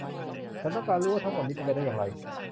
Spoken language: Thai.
ฉันต้องการรู้ว่าทั้งหมดนี้เป็นไปได้อย่างไร